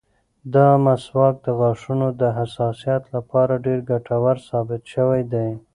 دا مسواک د غاښونو د حساسیت لپاره ډېر ګټور ثابت شوی دی.